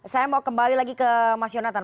saya mau kembali lagi ke mas yonatan